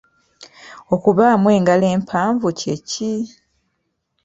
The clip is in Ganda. Okubaamu engalo empanvu kye ki?